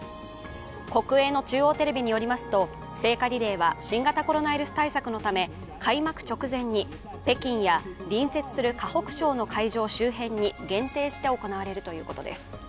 国営の中央テレビによりますと、聖火リレーと新型コロナウイルス対策のため開幕直前に北京や隣接する河北省の会場周辺に限定して行われるということです。